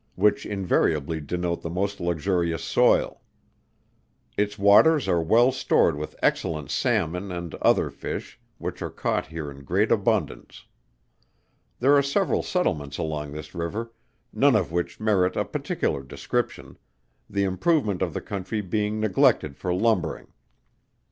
which invariably denote the most luxurious soil. Its waters are well stored with excellent salmon and other fish, which are caught here in great abundance. There are several settlements along this river, none of which merit a particular description, the improvement of the country being neglected for lumbering.